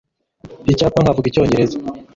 Icyampa nkavuga Icyongereza